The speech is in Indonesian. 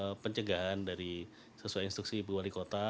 ini adalah upaya pencegahan dari sesuai instruksi ibu wali kota